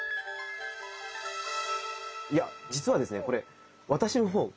いや実はですね